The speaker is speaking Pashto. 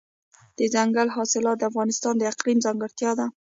دځنګل حاصلات د افغانستان د اقلیم ځانګړتیا ده.